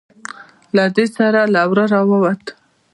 له دې سره له وره ووت.